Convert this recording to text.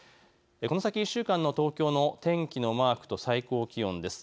この先１週間の東京の天気のマークと最高気温です。